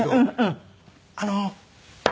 「あの」。